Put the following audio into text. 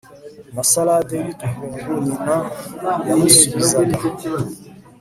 na salade yutwungu Nyina yamusubizaga